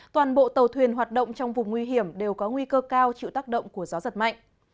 toàn bộ tàu thuyền hoạt động trong vùng nguy hiểm đều có nguy cơ cao chịu tác động của gió giật mạnh